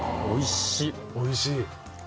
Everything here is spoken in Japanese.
おいしい。